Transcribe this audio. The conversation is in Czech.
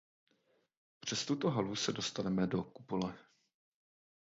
Přes tuto halu se dostaneme do kupole.